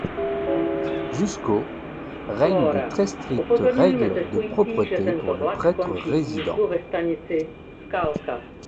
Jusqu'au règnent de très strictes règles de propreté pour le prêtre résident.